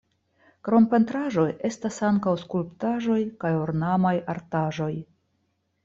Krom pentraĵoj estas ankaŭ skulptaĵoj kaj ornamaj artaĵoj.